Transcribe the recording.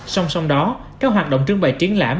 song song đó các hoạt động trưng bày triển lãm